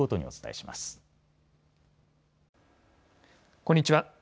こんにちは。